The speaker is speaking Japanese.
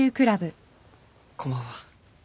こんばんは。